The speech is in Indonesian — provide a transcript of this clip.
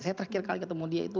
saya terakhir kali ketemu dia itu